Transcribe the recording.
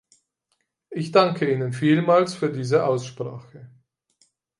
Ich danke Ihnen vielmals für diese Aussprache.